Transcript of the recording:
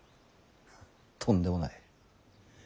とんでもない。